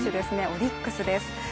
オリックスです。